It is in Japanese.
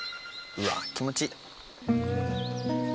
うわあ気持ちいい！